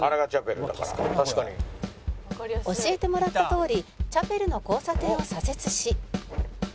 「教えてもらったとおりチャペルの交差点を左折し」